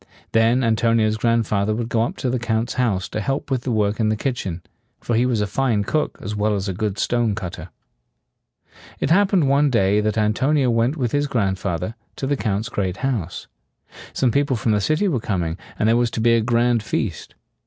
Then Antonio's grandfather would go up to the Count's house to help with the work in the kitchen; for he was a fine cook as well as a good stone cut ter. It happened one day that Antonio went with his grandfather to the Count's great house. Some people from the city were coming, and there was to be a grand feast.